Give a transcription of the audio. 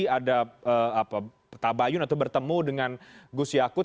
ada tabayun atau bertemu dengan gus yakut